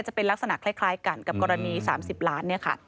จะเป็นลักษณะคล้ายกันกับกรณี๓๐ล้านเนี่ยค่ะ